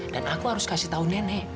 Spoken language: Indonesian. dan aku harus kasih tau nenek